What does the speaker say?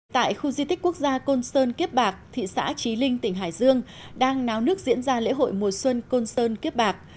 tại khu di tích quốc gia côn sơn kiếp bạc thị xã trí linh tỉnh hải dương đang náo nước diễn ra lễ hội mùa xuân côn sơn kiếp bạc